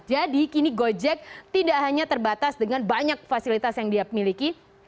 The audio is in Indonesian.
jadi kini gojek tidak hanya terbatas dengan banyak fasilitas yang dia miliki